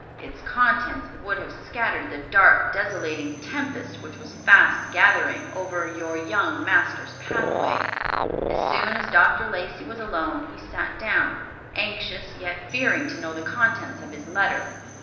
Its contents would have scattered the dark, desolating tempest which was fast gathering over your young master's pathway. As soon as Dr. Lacey was alone, he sat down, anxious, yet fearing to know the contents of his letter.